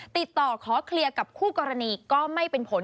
ติดต่อขอเคลียร์กับคู่กรณีก็ไม่เป็นผล